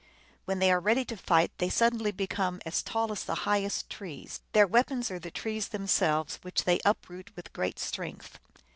When they get ready to fight, they suddenly become as tall as the highest trees; their weapons are the trees themselves, which they uproot with great strength.